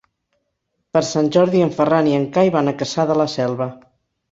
Per Sant Jordi en Ferran i en Cai van a Cassà de la Selva.